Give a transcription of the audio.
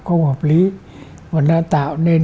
không hợp lý và nó tạo nên